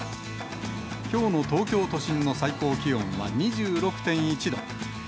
きょうの東京都心の最高気温は２６．１度。